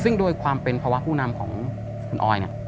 ซึ่งโดยความเป็นภาวะผู้นำของคุณอ้อย